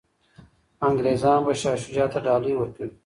انګریزان به شاه شجاع ته ډالۍ ورکوي.